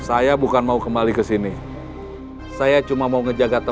apa yang kalian yang coba outuh aku